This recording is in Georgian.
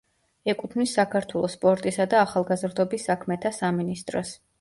ეკუთვნის საქართველოს სპორტისა და ახალგაზრდობის საქმეთა სამინისტროს.